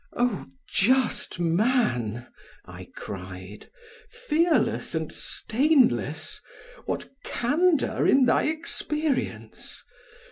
"Oh! just man," I cried, "fearless and stainless! what candor in thy experience!